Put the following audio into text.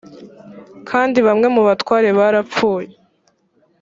kandi bamwe mu batware barapfuye